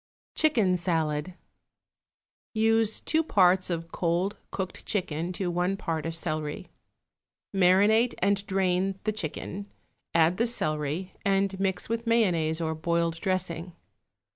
=Chicken Salad.= Use two parts of cold cooked chicken to one part of celery. Marinate and drain the chicken, add the celery, and mix with mayonnaise or boiled dressing.